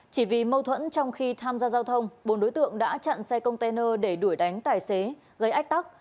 chỉ vì mâu thuẫn trong khi tham gia giao thông bốn đối tượng đã chặn xe container để đuổi đánh tài xế gây ách tắc